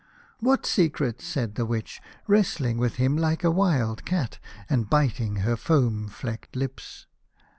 "What secret ?" said the Witch, wrestling with him like a wild cat, and biting her foam flecked lips.